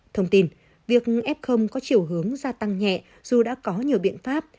thông tin việc f có chiều hướng gia tăng nhẹ dù đã có nhiều biện pháp